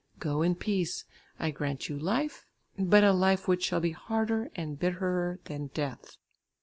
Go in peace! I grant you life, but a life which shall be harder and bitterer than death!'"